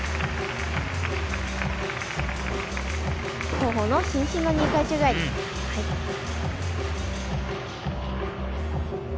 後方の伸身の２回宙返り。